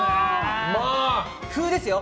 風ですよ！